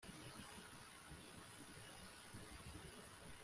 Tom yemerewe kuririmba kwa Mariya Ronin